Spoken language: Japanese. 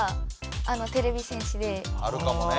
あるかもね。